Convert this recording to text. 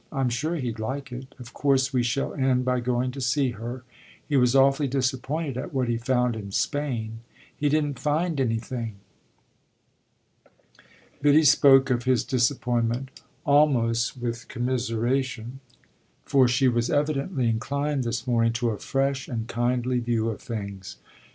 I'm sure he'd like it. Of course we shall end by going to see her. He was awfully disappointed at what he found in Spain he didn't find anything." Biddy spoke of his disappointment almost with commiseration, for she was evidently inclined this morning to a fresh and kindly view of things.